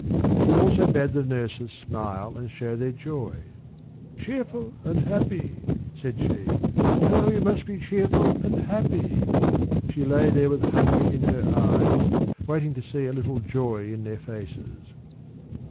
She also bade the nurses smile and show their joy. "Cheerful and happy," said she; "now you must be cheerful and happy!" She lay there with hunger in her eyes, waiting to see a little joy in their faces.